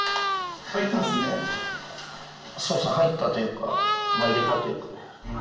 そうですね、入ったというか、入れたというか。